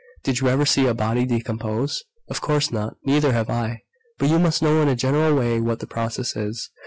Did you ever see a body decompose? Of course not! Neither have I. But you must know in a general way what the process is.